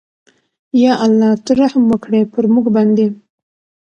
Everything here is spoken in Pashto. ېاالله ته رحم وکړې پرموګ باندې